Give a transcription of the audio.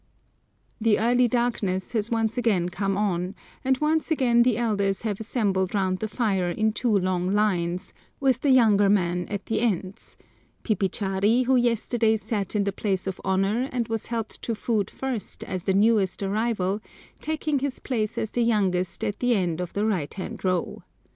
The early darkness has once again come on, and once again the elders have assembled round the fire in two long lines, with the younger men at the ends, Pipichari, who yesterday sat in the place of honour and was helped to food first as the newest arrival, taking his place as the youngest at the end of the right hand row.